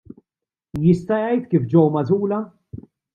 Jista' jgħid kif ġew magħżula?